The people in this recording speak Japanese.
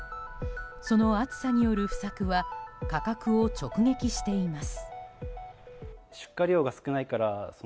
その暑さによる不作は価格を直撃しています。